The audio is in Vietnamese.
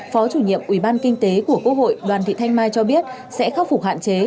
phó chủ nhiệm ubk của quốc hội đoàn thị thanh mai cho biết sẽ khắc phục hạn chế